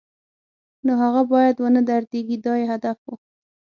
نو هغه باید و نه دردېږي دا یې هدف و.